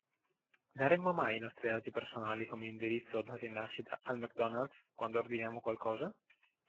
Daremmo mai i nostri dati personali come indirizzo o data di nascita al McDonald's quando ordiniamo qualcosa?